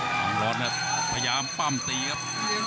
บังร้อนครับพยายามปั๊มตีครับ